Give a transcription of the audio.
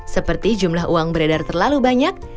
seperti jumlah uang beredar terlalu banyak